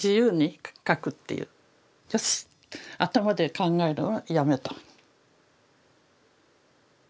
よし頭で考えるのはやめた。